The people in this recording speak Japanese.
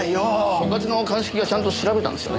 所轄の鑑識がちゃんと調べたんですよね？